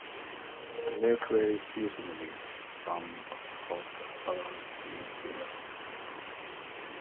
The lake varies seasonally from about above mean sea level.